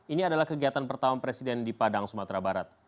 ini adalah kegiatan pertama presiden di padang sumatera barat